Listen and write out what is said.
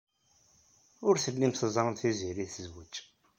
Ur tellim teẓram Tiziri tezwej.